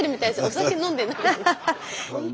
お酒飲んでない。